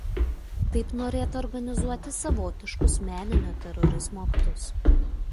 Taip norėta organizuoti savotiškus meninio terorizmo aktus.